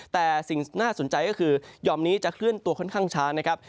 แต่สิ่งน่าสนใจก็คือยอมนี้จะเคลื่อนตัวค่อนข้างช้านะครับ